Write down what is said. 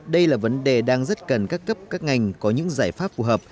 đây là vấn đề đang rất cần các cấp các ngành có những giải pháp phù hợp